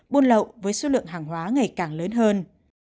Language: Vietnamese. buôn lậu với số lượng hàng hóa ngày càng lớn hơn